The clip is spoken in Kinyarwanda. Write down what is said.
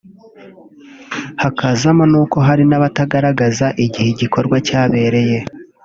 hakazamo n’uko hari n’abatagaragaza igihe igikorwa cyabereye